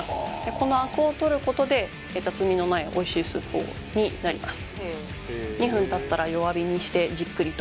この灰汁を取ることで雑味のないおいしいスープになります